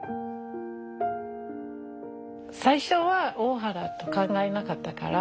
最初は大原と考えなかったから。